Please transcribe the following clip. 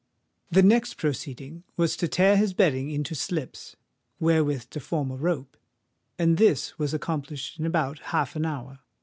The next proceeding was to tear his bedding into slips, wherewith to form a rope; and this was accomplished in about half an hour.